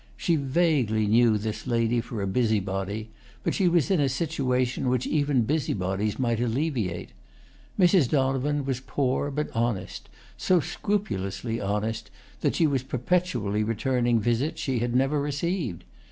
She vaguely knew this lady for a busybody, but she was in a situation which even busybodies might alleviate. Mrs. Donovan was poor, but honest—so scrupulously honest that she was perpetually returning visits she had never received.